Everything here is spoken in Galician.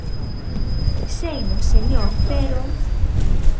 Seino, señor, pero...